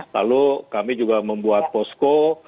lalu kami juga membuat posko